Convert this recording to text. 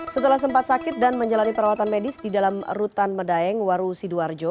setelah sempat sakit dan menjalani perawatan medis di dalam rutan medaeng waru sidoarjo